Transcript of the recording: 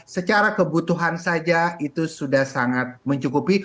secara kebutuhan saja itu sudah sangat mencukupi